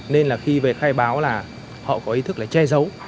nên là khi về khai báo là họ có ý thức là che giấu